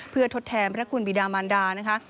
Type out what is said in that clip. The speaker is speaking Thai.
เพื่อทดแทนพระคุณบิดามันดานะคะ